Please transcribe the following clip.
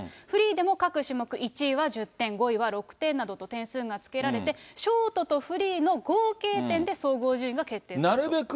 フリーでも各種目１位は１０点、５位は６点などと点数がつけられて、ショートとフリーの合計点で総合順位が決定すると。